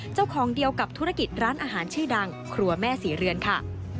เจ้าของเดียวกับธุรกิจร้านอาหารชื่อดังครัวแม่ศรีเรือนค่ะ